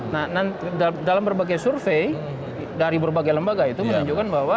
nah dalam berbagai survei dari berbagai lembaga itu menunjukkan bahwa